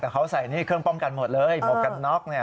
เขาใส่เครื่องป้องกันหมดเลยหมดกันน็อค